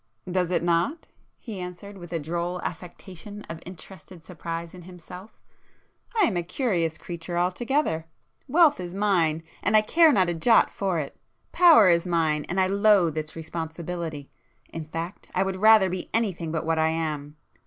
"Does it not!" he answered with a droll affectation of interested surprise in himself—"I am a curious creature altogether! Wealth is mine and I care not a jot for it,—power is mine and I loathe its responsibility;—in fact I would rather be anything but what I am!